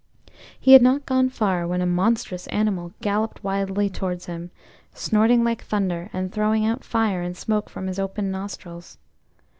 He had not gone far when a monstrous animal galloped wildly towards him, snorting like thunder, and throwing out fire and smoke from his open nostrils.